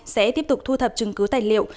sẽ tiếp tục thu thập chứng cứ tài liệu